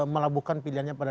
melabuhkan pilihannya pada